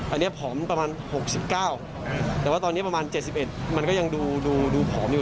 อันนี้ผอมประมาณ๖๙แต่ว่าตอนนี้ประมาณ๗๑มันก็ยังดูผอมอยู่